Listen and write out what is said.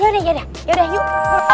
ya udah ya udah ya udah yuk